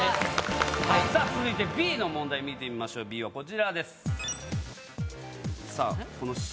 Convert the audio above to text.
続いてＢの問題見てみましょうＢはこちらです。